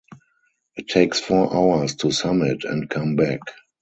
It takes four hours to summit and come back.